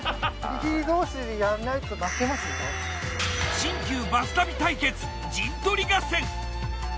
新旧バス旅対決陣取り合戦。